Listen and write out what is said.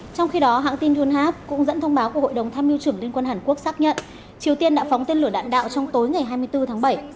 trong khi đó hãng tin junhap cũng dẫn thông báo của hội đồng tham mưu trưởng liên quân hàn quốc xác nhận triều tiên đã phóng tên lửa đạn đạo trong tối ngày hai mươi bốn tháng bảy